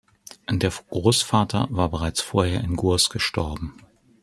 Der Großvater war bereits vorher in Gurs gestorben.